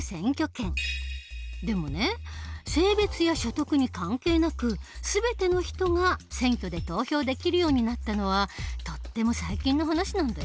でもね性別や所得に関係なく全ての人が選挙で投票できるようになったのはとっても最近の話なんだよ。